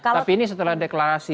tapi ini setelah deklarasi